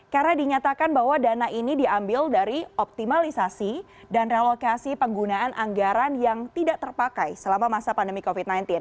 karena dinyatakan bahwa dana ini diambil dari optimalisasi dan relokasi penggunaan anggaran yang tidak terpakai selama masa pandemi covid sembilan belas